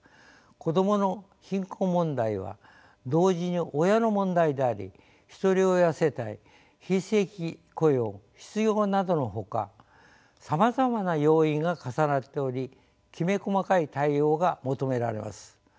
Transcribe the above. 子どもの貧困問題は同時に親の問題であり一人親世帯非正規雇用失業などのほかさまざまな要因が重なっておりきめ細かい対応が求められます。